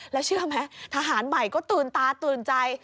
แล้วเชื่อไหมทหารใหม่ก็ตื่นตาตื่นใจ